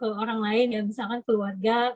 ya biar supaya cepat sembuh juga